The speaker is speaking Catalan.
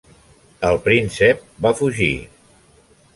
El príncep va fugir.